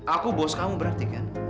aku bos kamu berarti